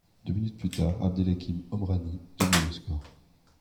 Deux minutes plus tard Abdelhakim Omrani double le score.